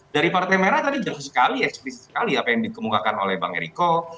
dari partai merah tadi jauh sekali eksplis sekali apa yang dikemukakan oleh bang eriko